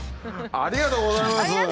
ありがとうございます！